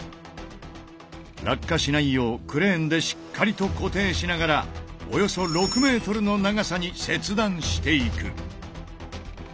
落下しないようクレーンでしっかりと固定しながらおよそ６ｍの長さに切断していく。